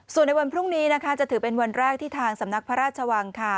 ส่วนในวันพรุ่งนี้นะคะจะถือเป็นวันแรกที่ทางสำนักพระราชวังค่ะ